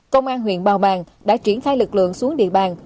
công an huyện bào bàng đã triển khai lực lượng xuống địa bàn